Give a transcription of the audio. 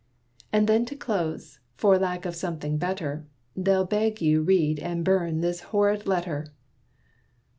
And then to close, for lack of something better, They beg you'll 'read and burn this horrid letter.'"